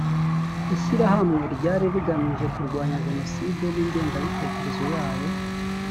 ishyirahamwe ryari rigamije kurwanya jenoside n’ingengabitekerezo yayo